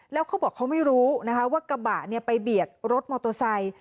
แล้วเขาบอกเขาไม่รู้นะคะว่ากระบะไปเบียดรถมอเตอร์ไซค์